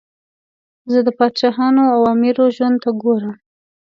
زه د پاچاهانو او امیرو ژوند ته ګورم.